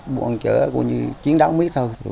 bong chở cũng như chiến đấu biết thôi